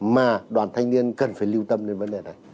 mà đoàn thanh niên cần phải lưu tâm đến vấn đề này